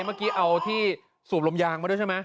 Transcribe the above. เมื่อกี้เอาที่สูบลมยางมาด้วยใช่ไหม